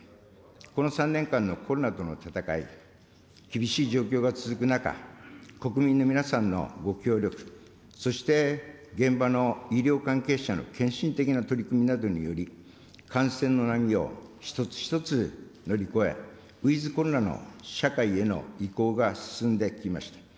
この３年間のコロナとの闘い、厳しい状況が続く中、国民の皆さんのご協力、そして、現場の医療関係者の献身的な取り組みなどにより、感染の波を一つ一つ乗り越え、ウィズコロナの社会への移行が進んできました。